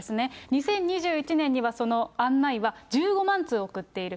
２０２１年にはその案内は１５万通送っている。